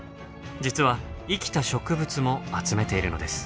実は生きた植物も集めているのです。